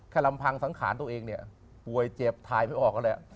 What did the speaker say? ลำพังสังขารตัวเองเนี่ยป่วยเจ็บถ่ายไม่ออกแล้วแหละ